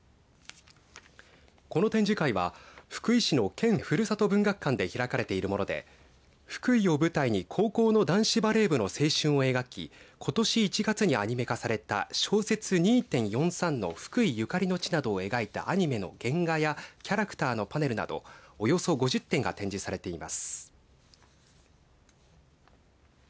この展示会は福井市の県ふるさと文学館で開かれているもので福井を舞台に高校の男子バレー部の青春を描きことし１月にアニメ化された小説、２．４３の福井ゆかりの地などを描いたアニメの原画やキャラクターのパネルなどおよそ５０点が展示されています。